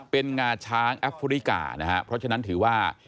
เป็นงาช้างแอฟริกานะฮะเพราะฉะนั้นถือว่า